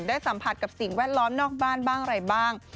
สัมผัสกับสิ่งแวดล้อมนอกบ้านบ้างอะไรบ้าง